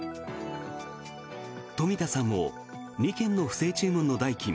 冨田さんも２件の不正注文の代金